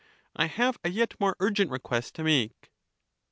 I have a yet more urgent request to make.